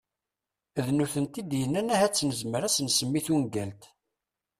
D nutenti i d-yennan ahat nezmer ad as-nsemmi tungalt.